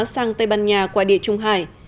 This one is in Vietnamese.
sang tây ban nha qua địa trung hải